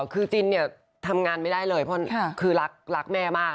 คือจินทำงานไม่ได้เลยของคือรักแม่มาก